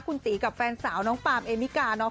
คุณตีกับแฟนสาวน้องปามเอมิกาเนาะ